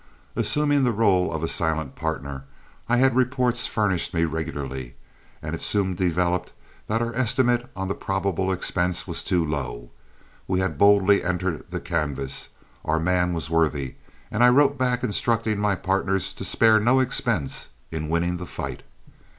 Assuming the rôle of a silent partner, I had reports furnished me regularly, and it soon developed that our estimate on the probable expense was too low. We had boldly entered the canvass, our man was worthy, and I wrote back instructing my partners to spare no expense in winning the fight.